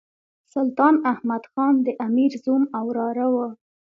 سلطان احمد خان د امیر زوم او وراره وو.